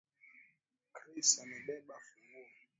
Chris amebeba funguo